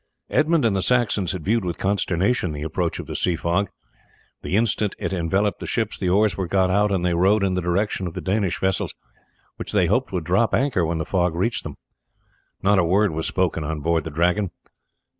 Edmund and the Saxons had viewed with consternation the approach of the sea fog. The instant it enveloped the ship the oars were got out and they rowed in the direction of the Danish vessels, which they hoped would drop anchor when the fog reached them. Not a word was spoken on board the Dragon.